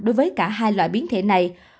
đối với cả hai loại biến thể này